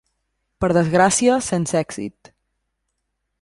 Per desgràcia, sense èxit.